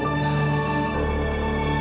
semuanya lagi kematan